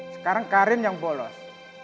sekarang karin yang bolos